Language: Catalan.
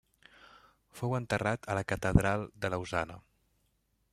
Fou enterrat a la catedral de Lausana.